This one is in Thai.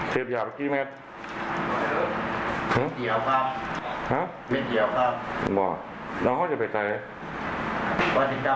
ก็มาล่าจนนะที